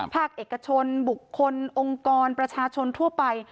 ภาคเอกชนบุคคลองค์กรประชาชนทั่วไป